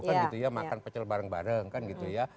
kan gitu ya makan pecel bareng bareng